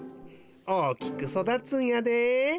大きくそだつんやで。